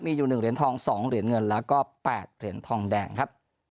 มีอยู่๑เหรียญทอง๒เหรียญเงินแล้วก็๘เหรียญทองแดงครับ